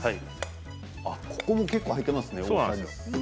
ここに結構入っていますね。